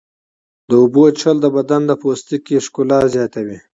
د اوبو څښل د بدن د پوستکي ښکلا زیاتوي.